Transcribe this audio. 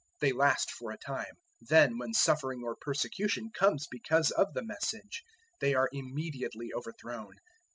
They last for a time; then, when suffering or persecution comes because of the Message, they are immediately overthrown.